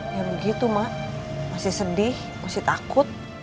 ya begitu mak masih sedih masih takut